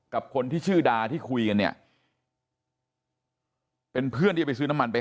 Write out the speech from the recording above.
กับคนที่ชื่อดาที่คุยกันเนี่ยเป็นเพื่อนที่ไปซื้อน้ำมันไป